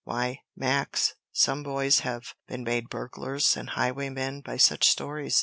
Why, Max, some boys have been made burglars and highwaymen by such stories.